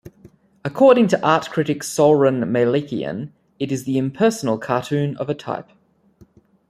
According to art critic Souren Melikian, it is the impersonal cartoon of a type.